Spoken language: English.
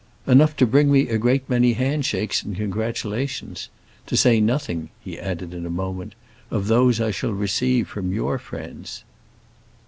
"Enough to bring me a great many hand shakes and congratulations. To say nothing," he added, in a moment, "of those I shall receive from your friends."